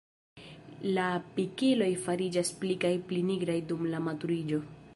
La pikiloj fariĝas pli kaj pli nigraj dum la maturiĝo.